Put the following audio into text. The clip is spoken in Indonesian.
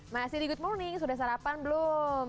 masih di good morning sudah sarapan belum